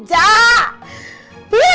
makanya kebayang mulu parijak